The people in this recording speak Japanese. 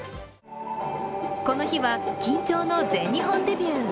この日は、緊張の全日本デビュー。